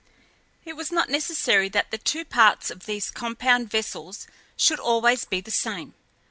It was not necessary that the two parts of these compound vessels should always be the same.